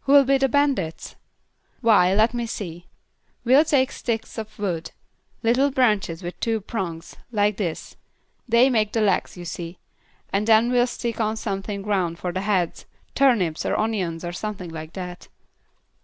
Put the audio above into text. "Who'll be the bandits?" "Why, let me see. We'll take sticks of wood; little branches with two prongs, like this; they make the legs, you see; and then we'll stick on something round for the heads, turnips or onions or something like that."